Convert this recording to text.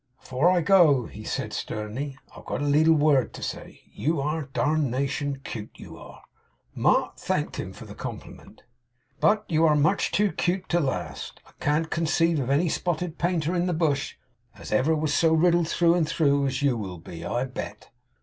'Afore I go,' he said sternly, 'I have got a leetle word to say to you. You are darnation 'cute, you are.' Mark thanked him for the compliment. 'But you are much too 'cute to last. I can't con ceive of any spotted Painter in the bush, as ever was so riddled through and through as you will be, I bet.